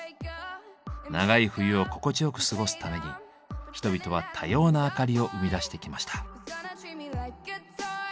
長い冬を心地よく過ごすために人々は多様な明かりを生み出してきました。